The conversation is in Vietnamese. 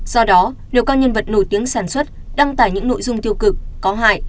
do đó nếu có nhân vật nổi tiếng sản xuất đăng tải những nội dung tiêu cực có hại